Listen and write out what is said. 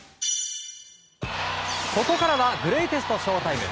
ここからはグレイテストＳＨＯ‐ＴＩＭＥ。